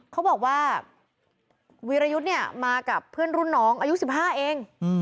เขาบอกว่าวีรยุทธ์เนี่ยมากับเพื่อนรุ่นน้องอายุ๑๕เอง